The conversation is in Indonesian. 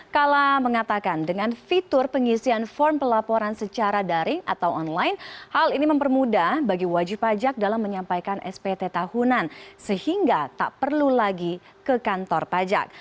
kala mengatakan dengan fitur pengisian form pelaporan secara daring atau online hal ini mempermudah bagi wajib pajak dalam menyampaikan spt tahunan sehingga tak perlu lagi ke kantor pajak